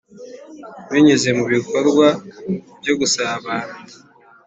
Binyuze mu bikorwa byo gusabana